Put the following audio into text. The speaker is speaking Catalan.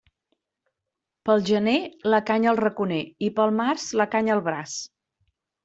Pel gener la canya al raconer i pel març la canya al braç.